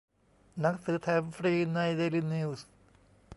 หนังสือแถมฟรีในเดลินิวส์